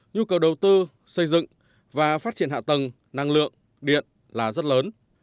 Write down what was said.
nhu cầu đầu tư xây dựng và phát triển hạ tầng năng lượng điện là rất lớn